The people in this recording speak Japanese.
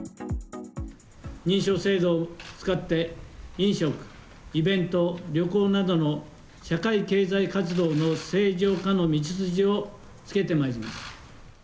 認証制度を使って、飲食、イベント、旅行などの社会経済活動の正常化の道筋をつけてまいります。